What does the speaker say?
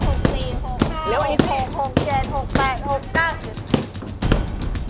อ้าไอ้พีชอีก